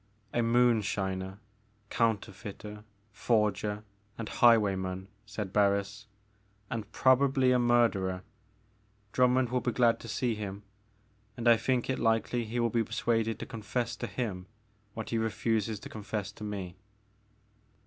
A moonshiner, counterfeiter, forger, and highwayman, said Barris, and probably a murderer. Drummond will be glad to see him, and I think it likely he will be persuaded to con fess to him what he refuses to confess to me.